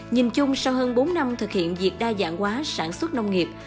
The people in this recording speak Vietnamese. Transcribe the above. nhìn chung sau hơn bốn năm thực hiện việc đa dạng hóa sản xuất nông nghiệp